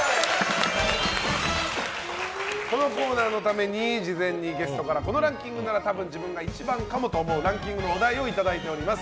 このコーナーのために事前にゲストからこのランキングなら多分自分が１番かもと思うランキングのお題をいただいております。